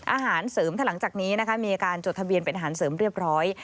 อาหารเสริมถ้าหลังจากนี้นะคะมีการจดทะเบียนเป็นอาหารเสริมเรียบร้อย